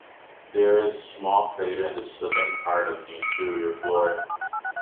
There is a small crater in the southern part of the interior floor.